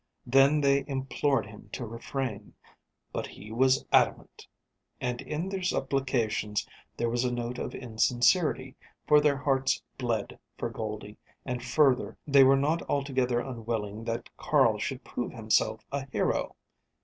Then they implored him to refrain. But he was adamant. And in their supplications there was a note of insincerity, for their hearts bled for Goldie, and, further, they were not altogether unwilling that Carl should prove himself a hero.